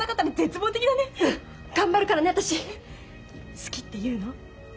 好きって言うの？